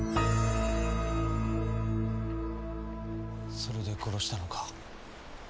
それで殺したのか？